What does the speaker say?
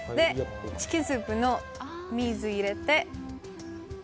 チキンスープの水を入れて。